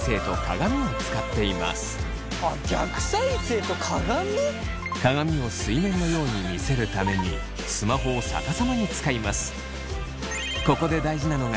鏡を水面のように見せるためにスマホを逆さまに使います。